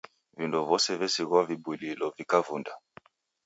Vindo vose vesighwa vibulilo vikavunda.